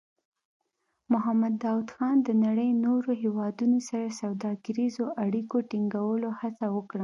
محمد داؤد خان د نړۍ نورو هېوادونو سره سوداګریزو اړیکو ټینګولو هڅه وکړه.